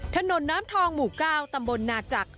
ถนนน้ำทองหมู่๙ตำบลนาจักร